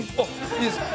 いいですか？